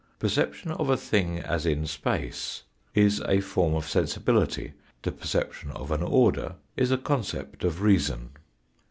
Perception of a thing as in space is a form of sensibility, the perception of an order is a concept of reason.